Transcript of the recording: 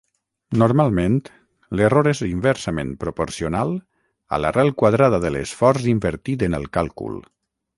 Normalment, l'error és inversament proporcional a l'arrel quadrada de l'esforç invertit en el càlcul.